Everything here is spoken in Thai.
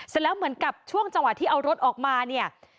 แล้วเหมือนกับช่วงจังหวะที่เอารถออกมาเนี่ย